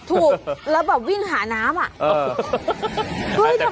ถูกแล้วแบบวิ่งหาน้ำอ่ะ